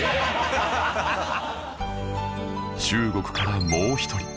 中国からもう１人